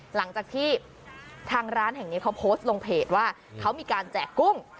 หลังจากที่ทางร้านแห่งนี้เขาโพสต์ลงเพจว่าเขามีการแจกกุ้ง